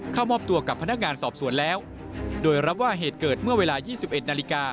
เข้ามอบตัวกับพนักงานสอบสวนแล้วโดยรับว่าเหตุเกิดเมื่อเวลา๒๑นาฬิกา